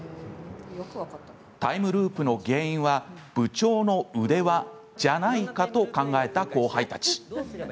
タイムループの原因は部長の腕輪じゃないかと考えた後輩たち。